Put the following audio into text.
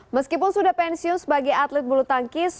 meskipun sudah pensiun sebagai atlet bulu tangkis